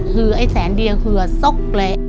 คือไอ้แสนเดียวคือซกเละ